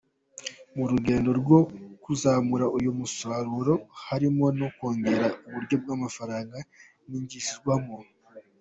Mu rugendo rwo kuzamura uyu musaruro harimo no kongera uburyo amafaranga yinjizwamo.